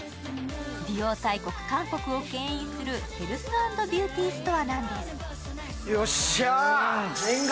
美容大国・韓国をけん引するヘルス＆ビューティーストアです。